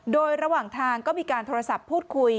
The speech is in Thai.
โดยระหว่างทางก็มีการโทรศัพท์พูดคุย